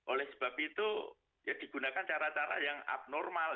oleh sebab itu ya digunakan cara cara yang abnormal